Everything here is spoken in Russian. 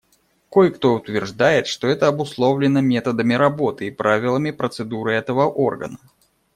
Кое-кто утверждает, что это обусловлено методами работы и правилами процедуры этого органа.